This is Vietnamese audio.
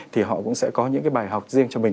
thì họ cũng sẽ có những cái bài học riêng cho mình